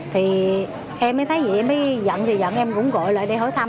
thì em mới thấy vậy em mới giận thì giận em cũng gọi lại đây hỏi thăm